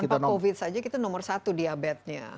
tanpa covid saja kita nomor satu diabetesnya